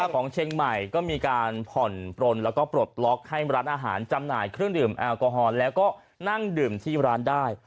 ของเชียงใหม่ก็มีการผ่อนปลนแล้วก็ปลดล็อกให้ร้านอาหารจำหน่ายเครื่องดื่มแอลกอฮอล์แล้วก็นั่งดื่มที่ร้านได้